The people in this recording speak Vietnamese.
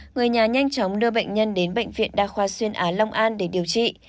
người nhà nhanh chóng đưa bệnh nhân đến bệnh viện đa khoa xuyên á long an để điều trị